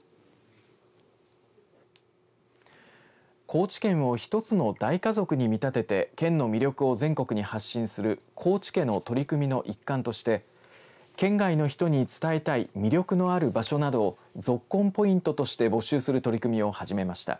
高知県を一つの大家族に見立てて県の魅力を全国に発信する高知家の取り組みの一環として県外の人に伝えたい魅力のある場所などをぞっこんポイントとして募集する取り組みを始めました。